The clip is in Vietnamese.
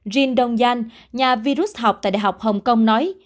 jin dongyan nhà virus học tại đại học hồng kông nói